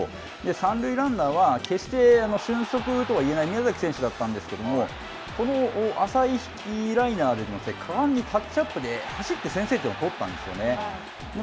三塁ランナーは決して俊足とは言えない宮崎選手だったんですけれどもこの浅いライナーで果敢にタッチアップで走って先制点を取ったんですよね。